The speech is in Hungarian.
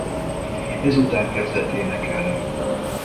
Ezután kezdett énekelni.